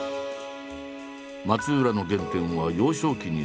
松浦の原点は幼少期に遡る。